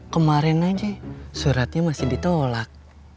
kemarin aja suratnya masih ditolak